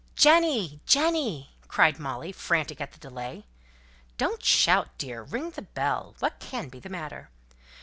"Jenny, Jenny!" cried Molly, frantic at the delay. "Don't shout, dear, ring the bell. What can be the matter?"